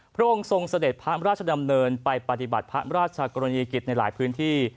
พระองค์ทรงเสด็จพระราชดำเนินไปปฏิบัติพระราชกรณียกิจในหลายพื้นที่